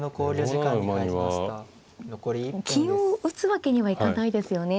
金を打つわけにはいかないですよね。